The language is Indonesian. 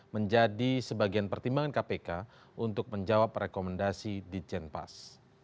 menjadi sebagian pertimbangan kpk untuk menjawab rekomendasi di jenpas